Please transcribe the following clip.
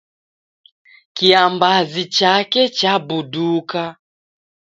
Kiambazi chake chabuduka.